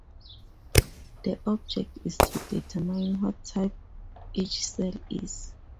The object is to determine what type each cell is.